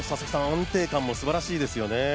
安定感もすばらしいですよね。